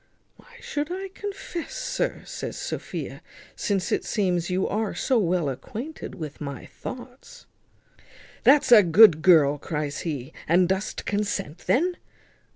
"Why should I confess, sir," says Sophia, "since it seems you are so well acquainted with my thoughts?" "That's a good girl," cries he, "and dost consent then?"